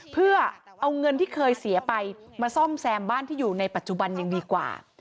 เพื่อเอาเงินที่เคยเสียไปมาซ่อมแซมบ้านที่อยู่ในปัจจุบันยังดีกว่า